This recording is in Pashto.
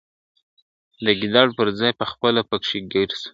د ګیدړ پر ځای پخپله پکښي ګیر سو ..